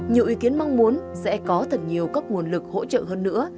nhiều ý kiến mong muốn sẽ có thật nhiều các nguồn lực hỗ trợ hơn nữa